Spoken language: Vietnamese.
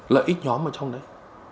lợi ích nhóm ở trong đấy